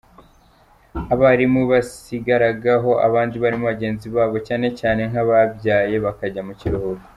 Abarimu basigariraho abandi barimu bagenzi babo cyane cyane nk’ababyaye bakajya mu kiruhuko, Dr.